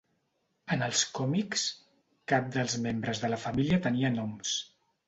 En els còmics, cap dels membres de la família tenia noms.